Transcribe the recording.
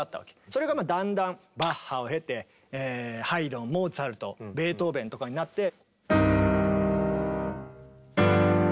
それがだんだんバッハを経てハイドンモーツァルトベートーベンとかになって。